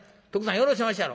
よろしおまっしゃろ？